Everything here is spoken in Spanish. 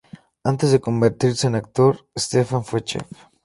Antes de convertirse en actor Stefan fue chef.